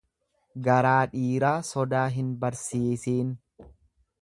Garaa dhiiraa sodaa hin barsiisiin.